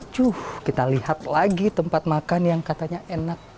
cuh kita lihat lagi tempat makan yang katanya enak